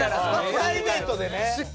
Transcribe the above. プライベートでね。